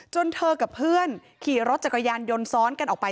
เธอกับเพื่อนขี่รถจักรยานยนต์ซ้อนกันออกไป